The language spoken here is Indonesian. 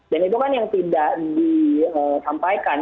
itu kan yang tidak disampaikan